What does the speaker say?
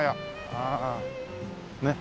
ああねっ。